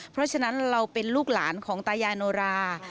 เพราะฉะนั้นเราเป็นลูกหลานของตายายโนรา